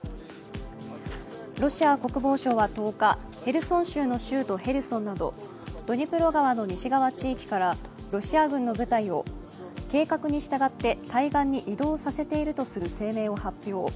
ロシア国防省は１０日ヘルソン州の州都ヘルソンなどドニプロ川の西側地域からロシア軍の部隊を計画に従って対岸に移動させているとする声明を発表。